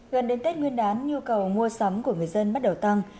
gần đến tết nguyên đán nhu cầu mua sắm của người dân bắt đầu tăng